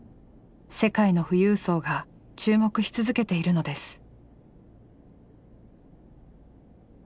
世界の富裕層が注目し続けているのです。